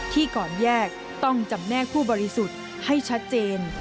ก่อนแยกต้องจำแนกผู้บริสุทธิ์ให้ชัดเจน